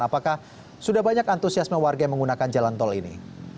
apakah sudah banyak antusiasme warga yang menggunakan jalan tol ini